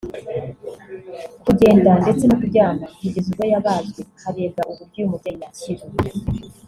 kugenda ndetse no kuryama kugeza ubwo yabazwe harebwa uburyo uyu mubyeyi yakira